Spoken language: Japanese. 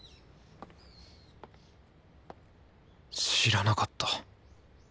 知らなかった。